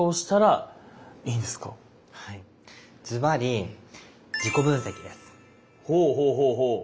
ずばりほうほうほうほう。